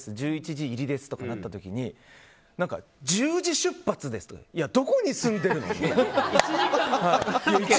１１時入りですとかなった時に１０時出発ですって俺、どこに住んでるの？って。